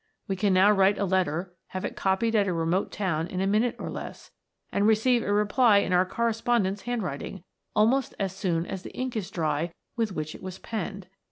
We can now write a let ter, have it copied at a remote town in a minute or less, and receive a reply in our correspondent's handwriting, almost as soon as the ink is dry with which it was penned